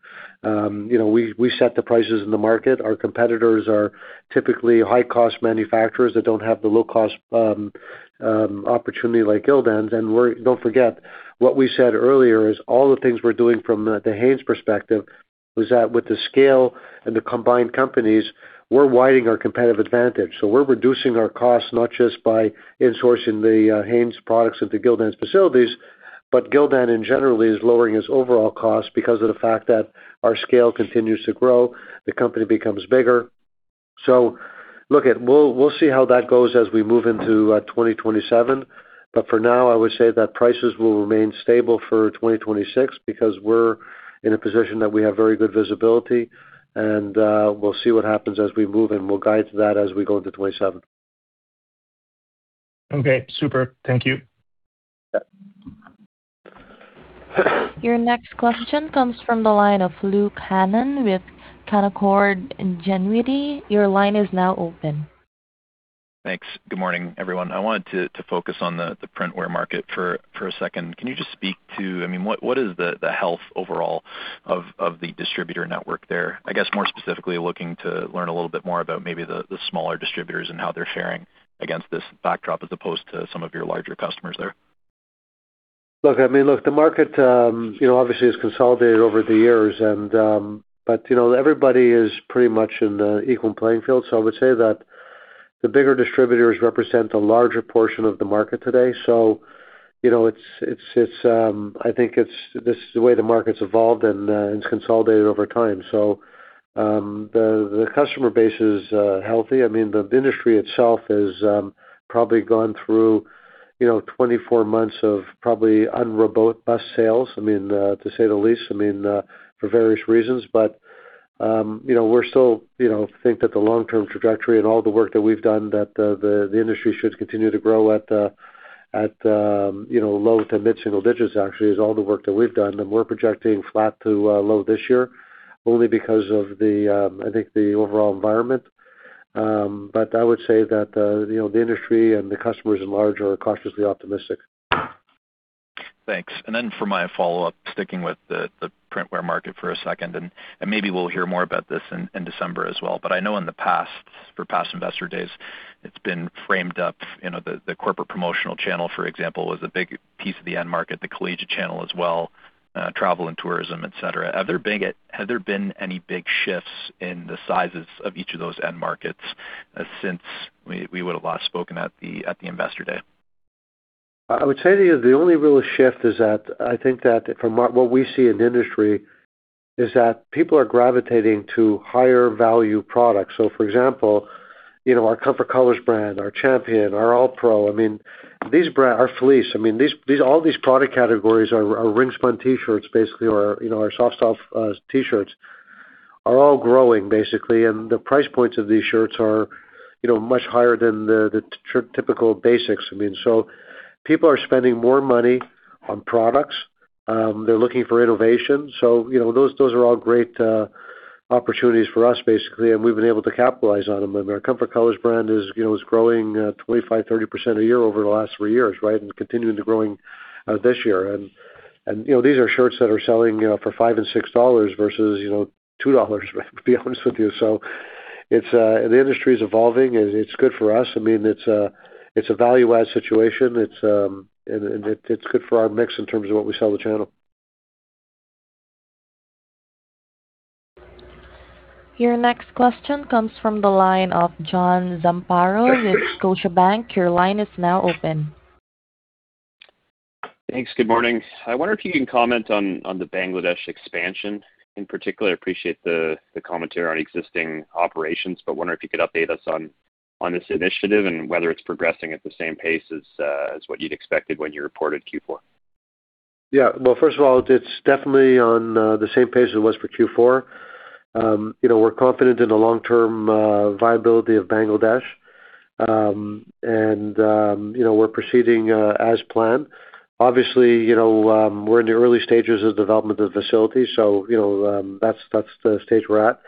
Speaker 3: You know, we set the prices in the market. Our competitors are typically high-cost manufacturers that don't have the low-cost opportunity like Gildan's. Don't forget, what we said earlier is all the things we're doing from the Hanes perspective was that with the scale and the combined companies, we're widening our competitive advantage. We're reducing our costs not just by insourcing the Hanes products into Gildan's facilities, but Gildan in general is lowering its overall cost because of the fact that our scale continues to grow, the company becomes bigger. Look, we'll see how that goes as we move into 2027. For now, I would say that prices will remain stable for 2026 because we're in a position that we have very good visibility, and we'll see what happens as we move, and we'll guide to that as we go into 2027.
Speaker 12: Okay, super. Thank you.
Speaker 3: Yep.
Speaker 1: Your next question comes from the line of Luke Hannan with Canaccord Genuity. Your line is now open.
Speaker 13: Thanks. Good morning, everyone. I wanted to focus on the printwear market for a second. I mean, what is the health overall of the distributor network there? I guess more specifically looking to learn a little bit more about maybe the smaller distributors and how they're faring against this backdrop as opposed to some of your larger customers there.
Speaker 3: Look, I mean, look, the market, you know, obviously has consolidated over the years and, you know, everybody is pretty much in the equal playing field. I would say that the bigger distributors represent a larger portion of the market today. You know, it's, I think this is the way the market's evolved and it's consolidated over time. The customer base is healthy. I mean, the industry itself has probably gone through, you know, 24 months of probably unrobust sales. I mean, to say the least, I mean, for various reasons. You know, we're still, you know, think that the long-term trajectory and all the work that we've done, that the industry should continue to grow at, you know, low to mid-single digits actually, is all the work that we've done. We're projecting flat to low this year only because of the, I think the overall environment. I would say that, you know, the industry and the customers at large are cautiously optimistic.
Speaker 13: Thanks. For my follow-up, sticking with the printwear market for a second, maybe we'll hear more about this in December as well. I know in the past, for past Investor Days, it's been framed up, you know, the corporate promotional channel, for example, was a big piece of the end market, the collegiate channel as well, travel and tourism, et cetera. Have there been any big shifts in the sizes of each of those end markets since we would have last spoken at the Investor Day?
Speaker 3: I would say to you, the only real shift is that I think that from what we see in the industry is that people are gravitating to higher value products. For example, you know, our Comfort Colors brand, our Champion, our AllPro, I mean, these, our fleece, I mean, these, all these product categories are ring-spun T-shirts basically, or, you know, our soft T-shirts are all growing basically, and the price points of these shirts are, you know, much higher than the typical basics. I mean, people are spending more money on products. They're looking for innovation. You know, those are all great opportunities for us basically, and we've been able to capitalize on them. Our Comfort Colors brand is, you know, is growing 25%-30% a year over the last three years, right? Continuing to growing, this year. You know, these are shirts that are selling, you know, for $5 and $6 versus, you know, $2, to be honest with you. The industry is evolving. It's good for us. I mean, it's a, it's a value-add situation. It's, it's good for our mix in terms of what we sell the channel.
Speaker 1: Your next question comes from the line of John Zamparo with Scotiabank. Your line is now open.
Speaker 14: Thanks. Good morning. I wonder if you can comment on the Bangladesh expansion? In particular, I appreciate the commentary on existing operations, wonder if you could update us on this initiative and whether it's progressing at the same pace as what you'd expected when you reported Q4?
Speaker 3: Yeah. Well, first of all, it's definitely on the same pace it was for Q4. You know, we're confident in the long-term viability of Bangladesh. You know, we're proceeding as planned. Obviously, you know, we're in the early stages of development of facilities, so, you know, that's the stage we're at.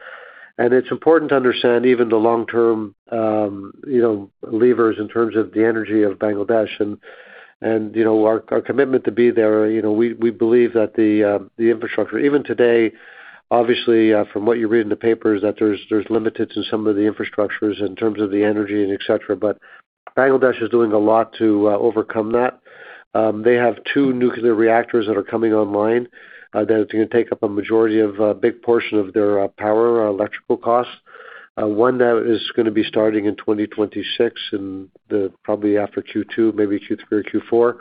Speaker 3: It's important to understand even the long-term, you know, levers in terms of the energy of Bangladesh. You know, our commitment to be there, you know, we believe that the infrastructure. Even today, obviously, from what you read in the papers, that there's limited to some of the infrastructures in terms of the energy and et cetera, but Bangladesh is doing a lot to overcome that. They have two nuclear reactors that are coming online, that it's going to take up a majority of, big portion of their power or electrical costs. One that is going to be starting in 2026 and probably after Q2, maybe Q3 or Q4,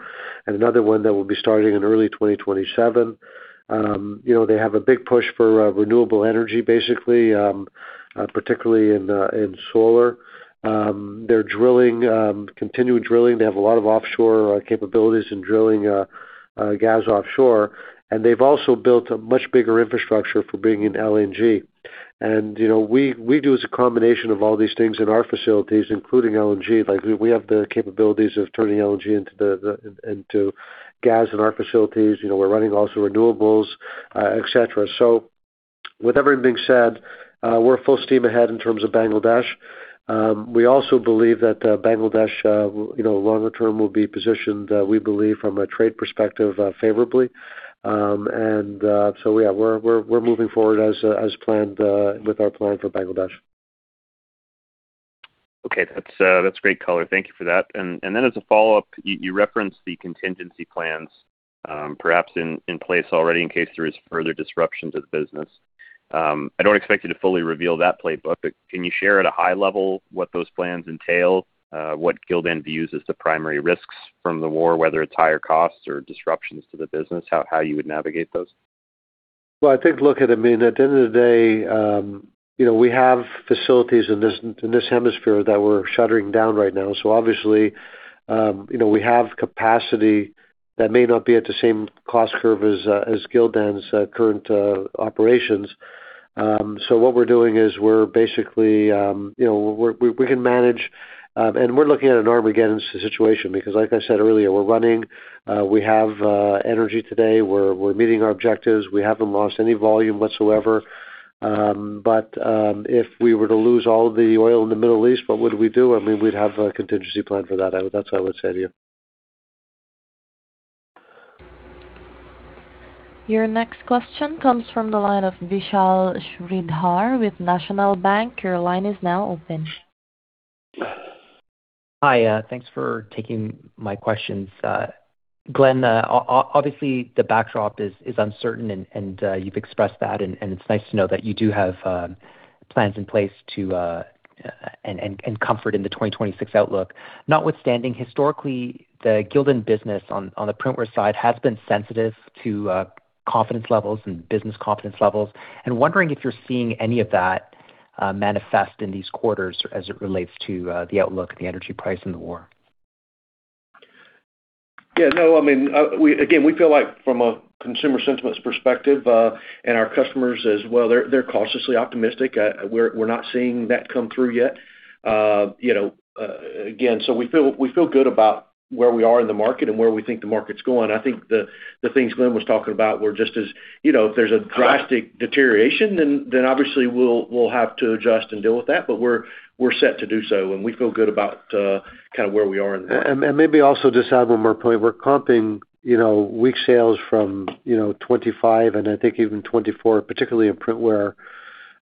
Speaker 3: and another one that will be starting in early 2027. You know, they have a big push for renewable energy basically, particularly in solar. They're drilling, continuing drilling. They have a lot of offshore capabilities in drilling gas offshore. They've also built a much bigger infrastructure for bringing in LNG. You know, we do as a combination of all these things in our facilities, including LNG. Like, we have the capabilities of turning LNG into gas in our facilities. You know, we're running also renewables, et cetera. With everything being said, we're full steam ahead in terms of Bangladesh. We also believe that Bangladesh, you know, longer term will be positioned, we believe, from a trade perspective, favorably. Yeah, we're moving forward as planned with our plan for Bangladesh.
Speaker 14: Okay. That's great color. Thank you for that. As a follow-up, you referenced the contingency plans, perhaps in place already in case there is further disruptions of the business. I don't expect you to fully reveal that playbook, but can you share at a high level what those plans entail? What Gildan views as the primary risks from the war, whether it's higher costs or disruptions to the business, how you would navigate those?
Speaker 3: Well, I think look at, I mean, at the end of the day, we have facilities in this, in this hemisphere that we're shuttering down right now. Obviously, we have capacity that may not be at the same cost curve as Gildan's current operations. What we're doing is we're basically, we can manage, and we're looking at an Armageddon situation because like I said earlier, we're running, we have energy today. We're meeting our objectives. We haven't lost any volume whatsoever. If we were to lose all the oil in the Middle East, what would we do? I mean, we'd have a contingency plan for that. That's what I would say to you.
Speaker 1: Your next question comes from the line of Vishal Shreedhar with National Bank. Your line is now open.
Speaker 15: Hi. Thanks for taking my questions. Glenn, obviously, the backdrop is uncertain and you've expressed that, and it's nice to know that you do have plans in place to and comfort in the 2026 outlook. Notwithstanding historically, the Gildan business on the printwear side has been sensitive to confidence levels and business confidence levels. Wondering if you're seeing any of that manifest in these quarters as it relates to the outlook, the energy price, and the war.
Speaker 6: No, I mean, again, we feel like from a consumer sentiment perspective, and our customers as well, they're cautiously optimistic. We're not seeing that come through yet. You know, again, so we feel good about where we are in the market and where we think the market's going. I think the things Glenn was talking about were just as, you know, if there's a drastic deterioration, then obviously we'll have to adjust and deal with that. We're set to do so, and we feel good about kinda where we are in the market.
Speaker 3: Maybe also just add one more point. We're comping, you know, weak sales from, you know, 2025 and I think even 2024, particularly in printwear.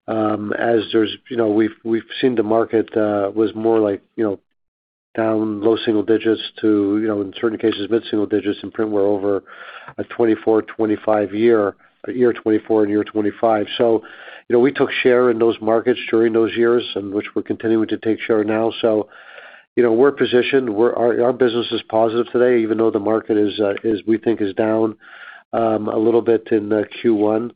Speaker 3: As there's, you know, we've seen the market was more like, you know, down low single digits to, you know, in certain cases, mid-single digits in printwear over a 2024, 2025 year 2024 and year 2025. You know, we took share in those markets during those years, and which we're continuing to take share now. You know, we're positioned. Our business is positive today, even though the market is, we think is down a little bit in Q1.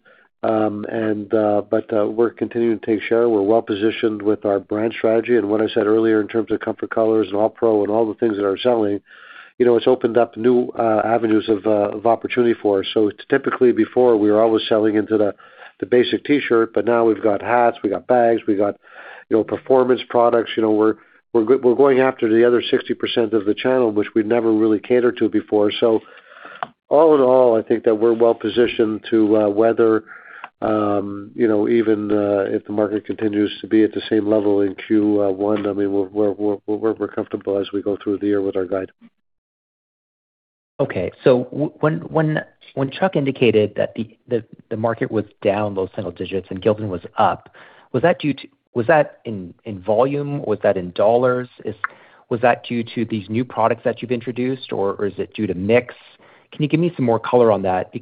Speaker 3: We're continuing to take share. We're well positioned with our brand strategy. What I said earlier in terms of Comfort Colors and AllPro and all the things that are selling, you know, it's opened up new avenues of opportunity for us. Typically before, we were always selling into the basic T-shirt, but now we've got hats, we got bags, we got, you know, performance products. You know, we're going after the other 60% of the channel, which we never really catered to before. All in all, I think that we're well positioned to weather- You know, even if the market continues to be at the same level in Q1, I mean, we're comfortable as we go through the year with our guide.
Speaker 15: Okay. When Chuck indicated that the market was down low single digits and Gildan was up, was that due to... Was that in volume? Was that in dollars? Was that due to these new products that you've introduced, or is it due to mix? Can you give me some more color on that?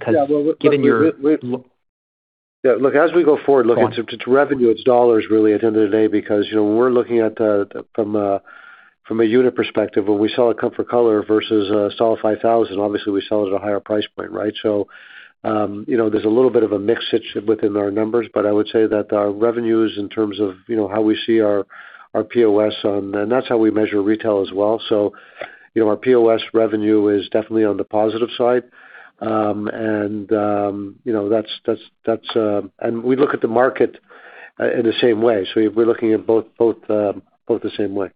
Speaker 3: Yeah, look, as we go forward.
Speaker 15: Go on.
Speaker 3: To revenue, it's $ really at the end of the day because, you know, we're looking at from a unit perspective, when we sell a Comfort Colors versus a Gildan 5000, obviously we sell it at a higher price point, right? You know, there's a little bit of a mixage within our numbers, but I would say that our revenues in terms of, you know, how we see our POS on, that's how we measure retail as well. You know, our POS revenue is definitely on the positive side. You know, that's. We look at the market in the same way. We're looking at both the same way.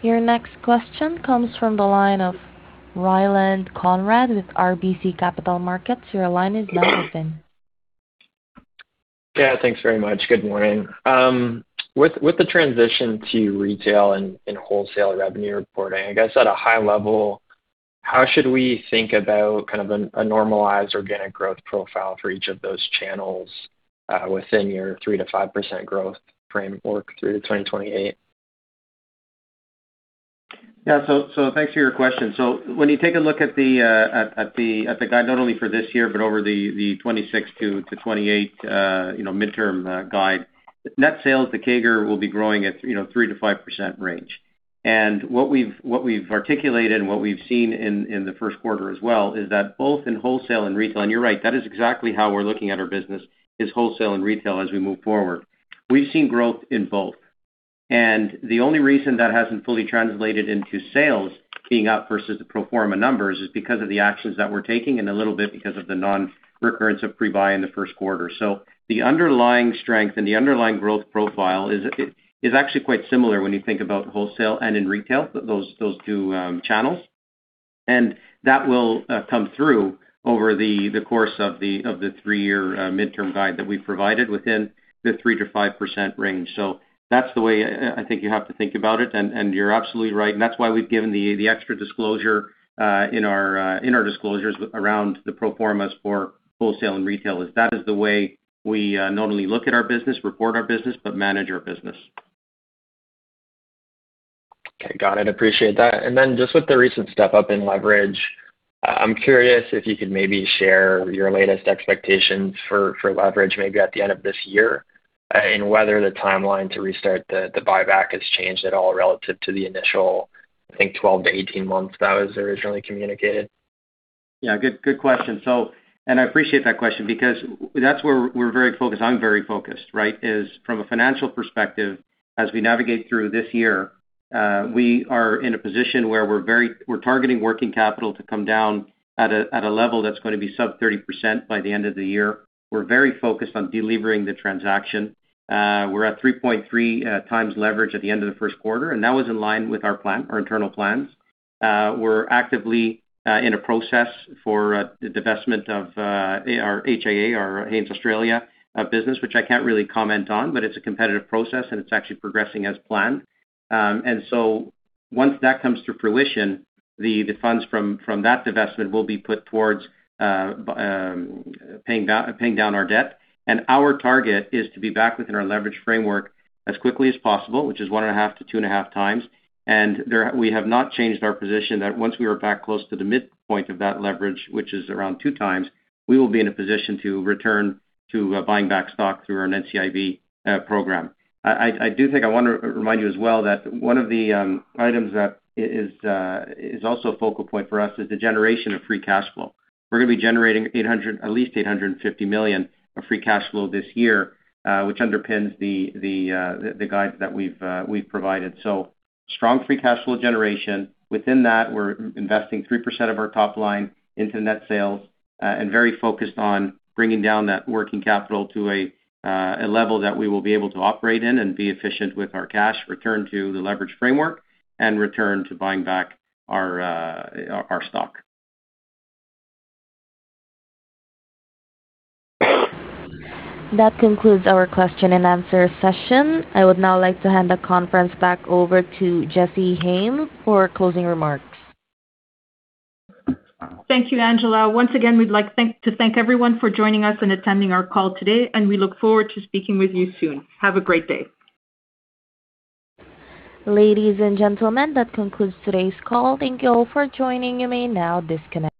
Speaker 1: Your next question comes from the line of Ryland Conrad with RBC Capital Markets. Your line is now open.
Speaker 16: Yeah, thanks very much. Good morning. With the transition to retail and wholesale revenue reporting, I guess at a high level, how should we think about kind of a normalized organic growth profile for each of those channels within your 3%-5% growth framework through to 2028?
Speaker 4: Yeah. Thanks for your question. When you take a look at the guide, not only for this year, but over the 2026 to 2028 mid-term guide. Net sales, the CAGR will be growing at 3%-5% range. What we've articulated and what we've seen in the first quarter as well, is that both in wholesale and retail, and you're right, that is exactly how we're looking at our business, is wholesale and retail as we move forward. We've seen growth in both. The only reason that hasn't fully translated into sales being up versus the pro forma numbers is because of the actions that we're taking and a little bit because of the non-recurrence of pre-buy in the first quarter. The underlying strength and the underlying growth profile is actually quite similar when you think about wholesale and in retail, those two channels. That will come through over the course of the three-year mid-term guide that we've provided within the 3%-5% range. That's the way I think you have to think about it, and you're absolutely right. That's why we've given the extra disclosure in our disclosures around the pro formas for wholesale and retail, is that is the way we not only look at our business, report our business, but manage our business.
Speaker 16: Okay. Got it. Appreciate that. Then just with the recent step-up in leverage, I'm curious if you could maybe share your latest expectations for leverage maybe at the end of this year, and whether the timeline to restart the buyback has changed at all relative to the initial, I think, 12 to 18 months that was originally communicated.
Speaker 4: Yeah. Good, good question. And I appreciate that question because that's where we're very focused, I'm very focused, right? Is from a financial perspective, as we navigate through this year, we are in a position where we're targeting working capital to come down at a level that's gonna be sub 30% by the end of the year. We're very focused on delivering the transaction. We're at 3.3 times leverage at the end of the first quarter, and that was in line with our plan, our internal plans. We're actively in a process for the divestment of our HAA, our Hanes Australasia business, which I can't really comment on, but it's a competitive process, and it's actually progressing as planned. Once that comes to fruition, the funds from that divestment will be put towards paying down our debt. Our target is to be back within our leverage framework as quickly as possible, which is 1.5 to 2.5 times. We have not changed our position that once we are back close to the midpoint of that leverage, which is around two times, we will be in a position to return to buying back stock through our NCIB program. I do think I wanna remind you as well that one of the items that is also a focal point for us is the generation of free cash flow. We're gonna be generating at least $850 million of free cash flow this year, which underpins the guide that we've provided. Strong free cash flow generation. Within that, we're investing 3% of our top line into net sales, and very focused on bringing down that working capital to a level that we will be able to operate in and be efficient with our cash, return to the leverage framework, and return to buying back our stock.
Speaker 1: That concludes our question and answer session. I would now like to hand the conference back over to Jessy Hayem for closing remarks.
Speaker 2: Thank you, Angela. Once again, we'd like to thank everyone for joining us and attending our call today. We look forward to speaking with you soon. Have a great day.
Speaker 1: Ladies and gentlemen, that concludes today's call. Thank you all for joining. You may now disconnect.